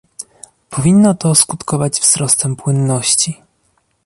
Powinno to skutkować wzrostem płynności